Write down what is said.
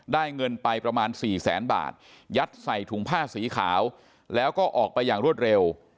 เงินไปประมาณสี่แสนบาทยัดใส่ถุงผ้าสีขาวแล้วก็ออกไปอย่างรวดเร็ว